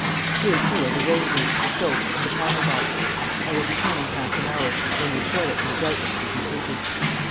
Here, too, are the razors, the soap, and the powder box. I will return in half an hour, when your toilet will doubtless be completed.'